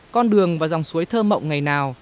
con đường và dòng suối thơ mộng ngày nào